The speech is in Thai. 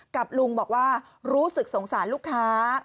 กับลุงบอกว่ารู้สึกสงสารลูกค้า